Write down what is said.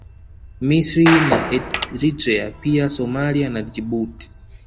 Misri na Eritrea pia Somalia na Djibouti